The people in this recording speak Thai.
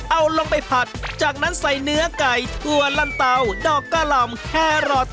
เอาลงไปผัดจากนั้นใส่เนื้อไก่ถั่วลันเตาดอกกะหล่ำแครอท